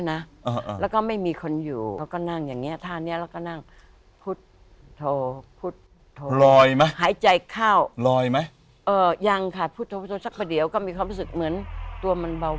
หลอยมั้ยหลอยมั้ยหายใจเข้ายังค่ะพูดโทษซักประเดียวก็มีความรู้สึกเหมือนตัวมันเบา